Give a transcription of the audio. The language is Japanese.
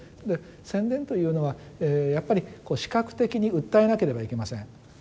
で宣伝というのはやっぱり視覚的に訴えなければいけません。